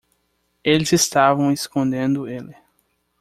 Eles estavam escondendo ele.